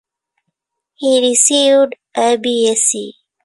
He received a B. Sc.